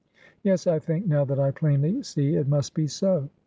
Yes, I think now that I plainly see it must be so.